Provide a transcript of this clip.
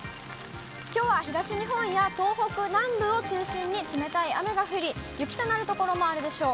きょうは東日本や東北南部を中心に冷たい雨が降り、雪となる所もあるでしょう。